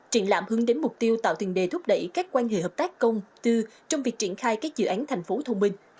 triển lãm hướng đến mục tiêu tạo thuyền đề thúc đẩy các quan hệ hợp tác công tư trong việc triển khai các dự án thành phố thông minh